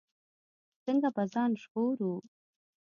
څنګه به ځان ژغورو.